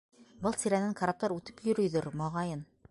— Был тирәнән караптар үтеп йөрөйҙөр, моғайын.